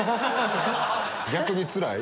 逆につらい？